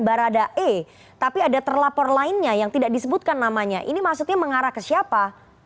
barada e tapi ada terlapor lainnya yang tidak disebutkan namanya ini maksudnya mengarah ke siapa